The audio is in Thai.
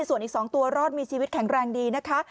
ส่วนอีก๒ตัวรอดมีชีวิตแข็งแรงดีนะคะ